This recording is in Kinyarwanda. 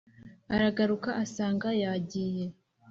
Aragaruka asanga yagiye